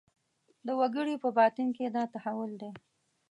د وګړي په باطن کې دا تحول دی.